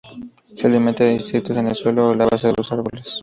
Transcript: Se alimenta de insectos en el suelo o en la base de los árboles.